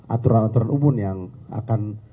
aturan aturan umum yang akan